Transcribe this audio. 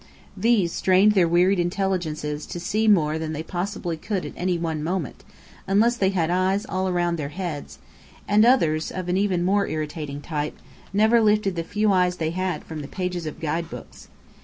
These strained their wearied intelligences to see more than they possibly could at any one moment, unless they had eyes all round their heads; and others, of an even more irritating type, never lifted the few eyes they had from the pages of guide books.